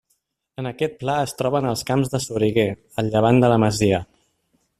En aquest pla es troben els Camps de Soriguer, a llevant de la masia.